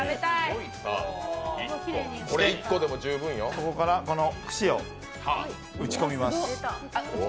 ここから、この串を打ち込みます。